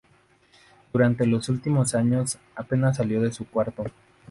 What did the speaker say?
Durante los últimos años, apenas salió de su cuarto.